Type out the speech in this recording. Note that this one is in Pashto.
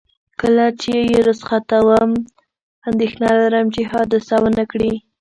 کله چې یې رخصتوم، اندېښنه لرم چې حادثه ونه کړي.